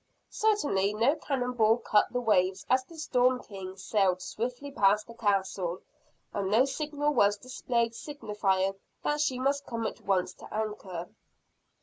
Certainly no cannon ball cut the waves as the "Storm King" sailed swiftly past the castle, and no signal was displayed signifying that she must come at once to anchor.